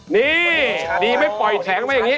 นี่ดีไม่ปล่อยแฉงมาอย่างนี้